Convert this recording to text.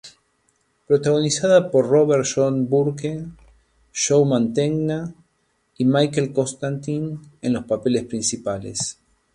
Protagonizada por Robert John Burke, Joe Mantegna y Michael Constantine en los papeles principales.